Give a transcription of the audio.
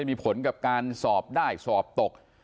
มีผลกับการสอบได้สอบตก